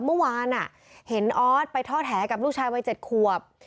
เมื่อวานเห็นออสไปทอดแหกับลูกชายวัย๗ขวบ